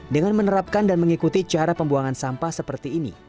dengan menerapkan dan mengikuti cara pembuangan sampah seperti ini